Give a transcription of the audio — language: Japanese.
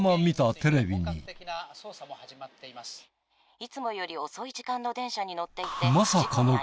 いつもより遅い時間の電車に乗っていて。